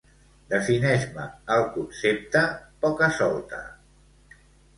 Defineix-me el concepte poca-solte.